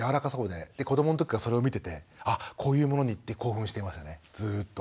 で子どもの時からそれを見ててあっこういうものにって興奮してましたねずっと。